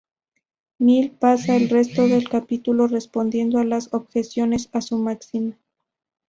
Mill pasa el resto del capítulo respondiendo a las objeciones a su máxima.